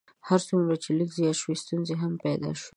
هر څومره چې لیک زیات شو ستونزې هم پیدا شوې.